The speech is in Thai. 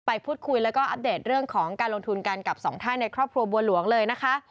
ไปพูดคุยแล้วก็อัปเดตเรื่องของการลงทุนกันกับสองท่านในครอบครัวบัวหลวงเลยนะคะ